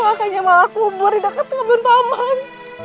makanya malah kubur di deket kebun pak man